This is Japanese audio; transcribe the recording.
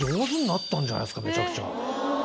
めちゃくちゃ。